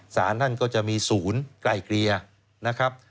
สารท่านก็จะมีศูนย์ไกลเกลี่ยนะครับ